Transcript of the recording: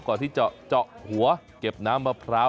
ที่เจาะหัวเก็บน้ำมะพร้าว